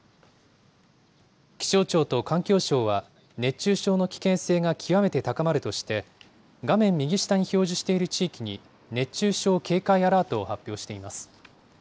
気象庁と環境省は、熱中症の危険性が極めて高まるとして、画面右下に表示している地域に熱中症警戒アラートを発表しています。